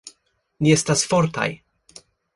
Ni estas fortaj